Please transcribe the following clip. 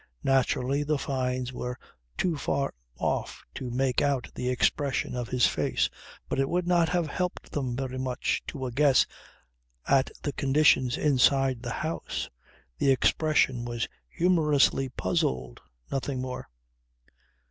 Naturally the Fynes were too far off to make out the expression of his face. But it would not have helped them very much to a guess at the conditions inside the house. The expression was humorously puzzled nothing more.